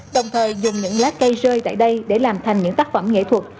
đồng thời dùng những lá cây rơi tại đây để làm thành những tác phẩm nghệ thuật